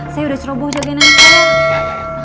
saya udah seroboh jagain anak saya